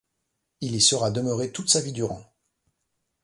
Il y sera demeuré toute sa vie durant.